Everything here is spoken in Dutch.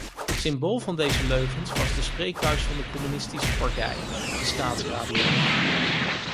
Symbool van deze leugens was de spreekbuis van de communistische partij: de staatsradio.